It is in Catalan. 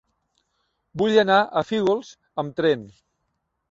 Vull anar a Fígols amb tren.